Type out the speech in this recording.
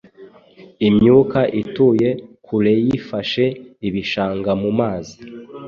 Imyuka ituye kureifashe ibishangamumazi